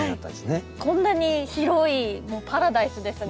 こんなに広いパラダイスですね